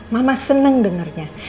mama seneng dengernya